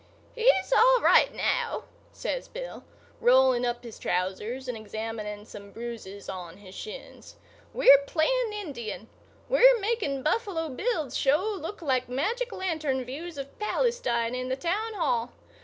"He's all right now," says Bill, rolling up his trousers and examining some bruises on his shins. "We're playing Indian. We're making Buffalo Bill's show look like magic lantern views of Palestine in the town hall.